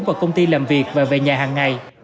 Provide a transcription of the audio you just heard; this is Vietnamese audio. vào công ty làm việc và về nhà hàng ngày